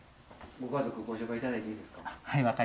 ご家族ご紹介いただいていいですか。